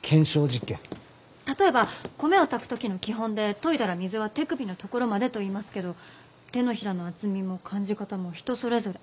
例えば米を炊く時の基本で「研いだら水は手首のところまで」といいますけど手のひらの厚みも感じ方も人それぞれ。